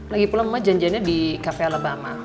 lagi pulang mama janjainnya di cafe alabama